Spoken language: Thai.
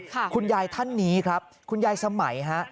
คุณยายท่านนี้ครับคุณยายสมัยฮะ